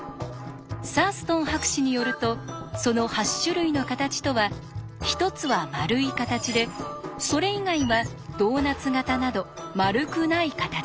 サーストン博士によるとその８種類の形とは１つは丸い形でそれ以外はドーナツ型など丸くない形です。